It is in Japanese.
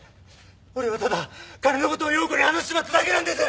俺はただ金のことを葉子に話しちまっただけなんです！